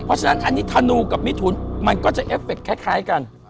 เพราะฉะนั้นอันนี้ธนูกับมิถุนมันก็จะเอฟเคคล้ายกัน